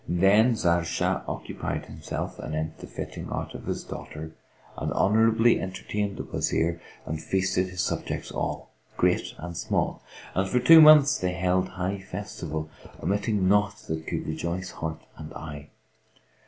Then Zahr Shah occupied himself anent the fitting out of his daughter and honourably entertained the Wazir and feasted his subjects all, great and small; and for two months they held high festival, omitting naught that could rejoice heart and eye.